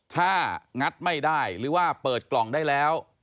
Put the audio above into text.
ถ้างัดไม่ได้หรือว่าเปิดกล่องได้แล้ว